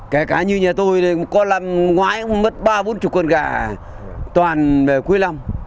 kể cả như nhà tôi có năm ngoái cũng mất ba bốn mươi con gà toàn cuối năm